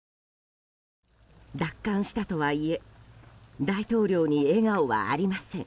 奪還したとはいえ大統領に笑顔はありません。